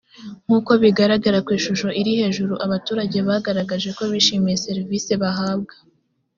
nkuko bigaragara ku ishusho iri hejuru abaturage bagaragaje ko bishimiye serivisi bahabwa